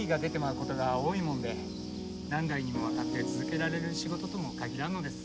うことが多いもんで何代にもわたって続けられる仕事ともかぎらんのです。